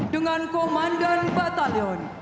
dengan komandan batalion